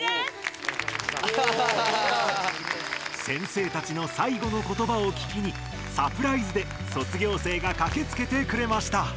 先生たちの最後の言葉を聞きにサプライズで卒業生がかけつけてくれました。